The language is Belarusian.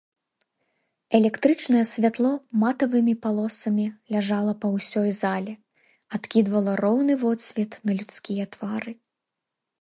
Электрычнае святло матавымі палосамі ляжала па ўсёй зале, адкідвала роўны водсвет на людскія твары.